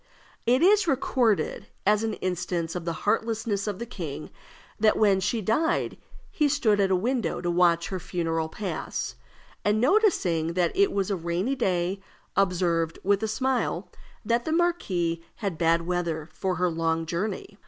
It is recorded, as an instance of the heartlessness of the king, that when she died he stood at a window to watch her funeral pass, and noticing that it was a rainy day, observed, with a smile, "that the marquise had bad weather for her long journey."